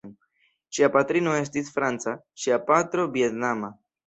Ŝia patrino estis franca, ŝia patro vjetnama.